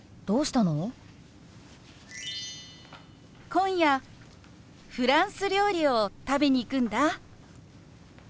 今夜フランス料理を食べに行くんだ。